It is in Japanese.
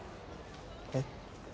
えっ？